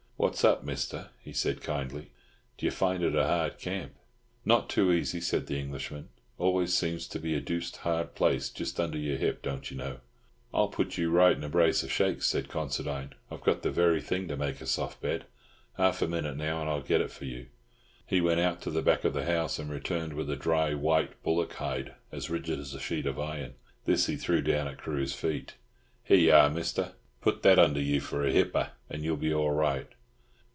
"What's up, Mister?" he said kindly. "D'you find it a hard camp?" "Not too easy," said the Englishman. "Always seems to be a deuced hard place just under your hip, don't you know?" "I'll put you right in a brace of shakes," said Considine. "I've got the very thing to make a soft bed. Half a minute now, and I'll get it for you." He went out to the back of the house, and returned with a dry white bullock hide, as rigid as a sheet of iron. This he threw down at Carew's feet. "Here y'are, Mister; put that under you for a hipper, and you'll be all right."